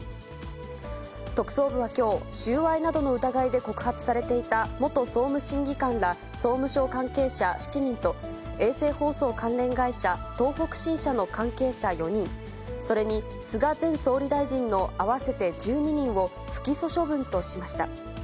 特捜部はきょう、収賄などの疑いで告発されていた元総務審議官ら、総務省関係者７人と、衛星放送関連会社、東北新社の関係者４人、それに菅前総理大臣の合わせて１２人を、不起訴処分としました。